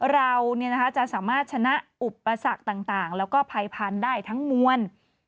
เราจะสามารถชนะอุปสรรคต่างแล้วก็ภัยพันธุ์ได้ทั้งมวล